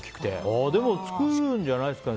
でも作るんじゃないですか。